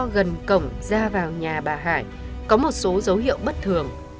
gần cổng ra vào nhà bà hải có một số dấu hiệu bất thường